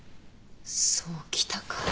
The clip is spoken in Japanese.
そうきたか。